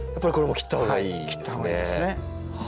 切った方がいいですね。